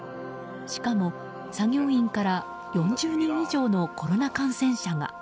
しかも、作業員から４０人以上のコロナ感染者が。